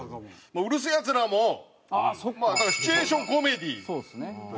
『うる星やつら』もシチュエーションコメディー。